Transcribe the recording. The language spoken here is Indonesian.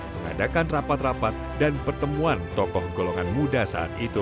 mengadakan rapat rapat dan pertemuan tokoh golongan muda saat itu